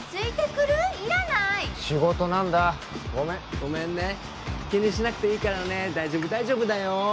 いらない仕事なんだごめんごめんね気にしなくていいからね大丈夫大丈夫だよ